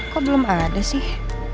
kok belum ada sih